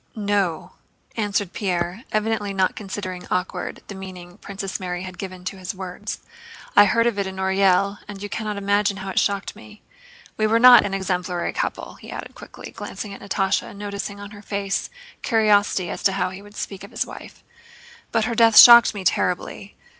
"No," answered Pierre, evidently not considering awkward the meaning Princess Mary had given to his words. "I heard of it in Orël and you cannot imagine how it shocked me. We were not an exemplary couple," he added quickly, glancing at Natásha and noticing on her face curiosity as to how he would speak of his wife, "but her death shocked me terribly.